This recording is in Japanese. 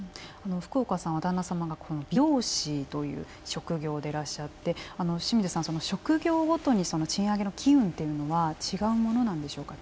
福岡さんは旦那さんが美容師という職業でいらっしゃって、清水さん職業ごとに賃上げの機運というのは違うものなんでしょうか？